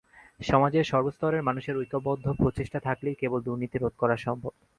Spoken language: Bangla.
সমাজের সর্বস্তরের মানুষের ঐক্যবদ্ধ প্রচেষ্টা থাকলেই কেবল দুর্নীতি রোধ করা সম্ভব।